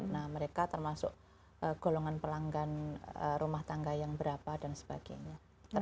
nah mereka termasuk golongan pelanggan rumah tangga yang berapa dan sebagainya